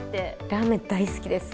ラーメン、大好きです。